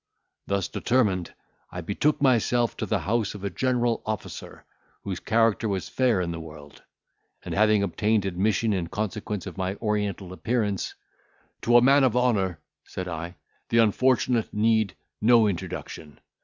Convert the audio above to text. Thus determined, I betook myself to the house of a general officer, whose character was fair in the world; and having obtained admission in consequence of my Oriental appearance, 'To a man of honour,' said I, 'the unfortunate need no introduction.